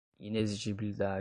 inexigibilidade